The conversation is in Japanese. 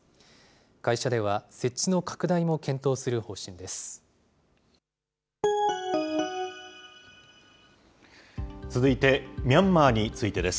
会社では設置の拡大も検討する方針です。